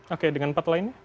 oke dengan empat lainnya